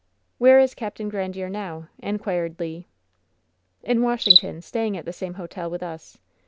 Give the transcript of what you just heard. '' "Where is Capt. Grandiere now?" inquired Le. "In Washington, staying at the same hotel with us.